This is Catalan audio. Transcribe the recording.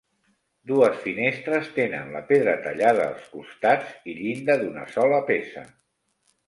Dues finestres tenen la pedra tallada als costats i llinda d'una sola peça.